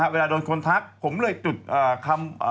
เวลาโดนคนทักผมเลยจุดคำ